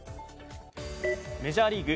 メジャーリーグ。